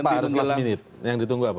kenapa harus last minute yang ditunggu apa